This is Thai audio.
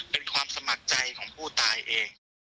เป็นความสมัครใจของผู้ตายเอง